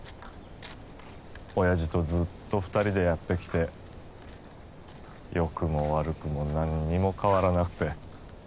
おやじとずっと２人でやってきて良くも悪くもなんにも変わらなくて。